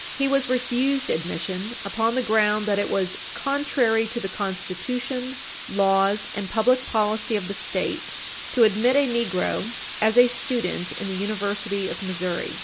He was refused admission upon the ground that it was "contrary to the constitution, laws and public policy of the State to admit a negro as a student in the University of Missouri."